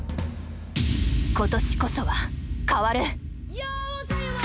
今年こそは変わる！